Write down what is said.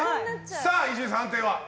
さあ、伊集院さん、判定は？